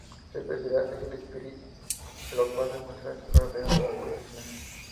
Su especialidad es el esprint, lo cual demostró en sus primeros años como profesional.